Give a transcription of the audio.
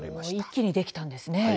一気にできたんですね。